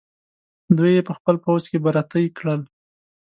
دوی یې په خپل پوځ کې برتۍ کړل.